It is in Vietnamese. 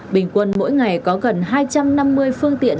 bình quân mỗi ngày có gần hai trăm năm mươi phương tiện